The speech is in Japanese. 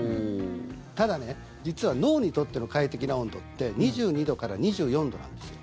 ただ、実は脳にとっての快適な温度って２２度から２４度なんです。